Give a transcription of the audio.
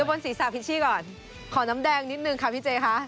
บนศีรษะพิชชี่ก่อนขอน้ำแดงนิดนึงค่ะพี่เจ๊คะ